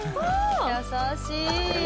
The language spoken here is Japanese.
優しい。